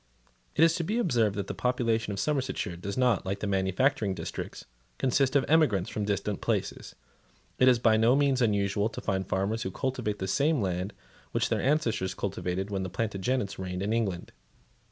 It is to be observed that the population of Somersetshire does not, like that of the manufacturing districts, consist of emigrants from distant places. It is by no means unusual to find farmers who cultivate the same land which their ancestors cultivated when the Plantagenets reigned in England.